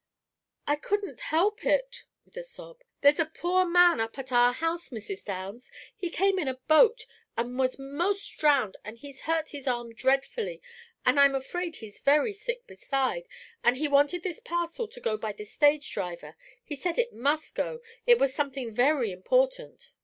"I couldn't help it," with a sob. "There's a poor man up at our house, Mrs. Downs. He came in a boat, and was 'most drowned, and he's hurt his arm dreadfully, and I'm afraid he's very sick beside; and he wanted this parcel to go by the stage driver. He said it must go, it was something very important.